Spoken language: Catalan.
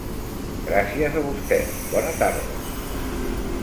Gràcies a vosté, bona tarda.